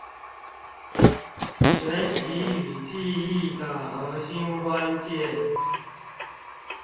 學習與記憶的核心關鍵